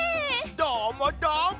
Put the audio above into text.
どーもどーも。